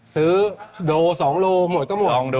ซื้อโด๒โลหมดก็หมด